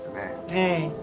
ええ。